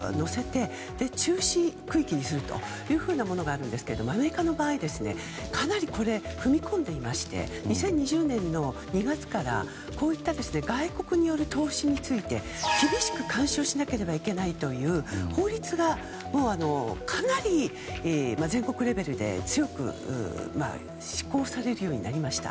自衛隊の基地や重要インフラの周りだと氏名や国籍を載せて中止区域にするというのがありますがアメリカの場合はかなり踏み込んでいまして２０２０年の２月からこうした外国による投資について厳しく監視をしなければならないという法律がかなり全国レベルで、強く施行されるようになりました。